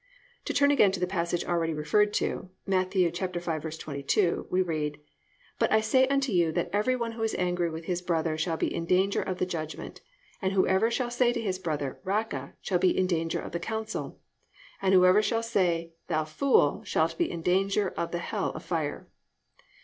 To turn again to the passage already referred to, Matt. 5:22, we read: +"But I say unto you, that every one who is angry with his brother shall be in danger of the judgment; and whosoever shall say to his brother, Raca, shall be in danger of the council; and whosoever shall say, Thou fool, shall be in danger of the hell of fire."